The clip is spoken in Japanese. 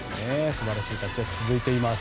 素晴らしい活躍続いています。